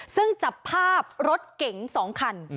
ซึ่งจับภาพรถเก๋ง๒คัน